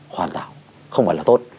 hoàn tảo không phải là tốt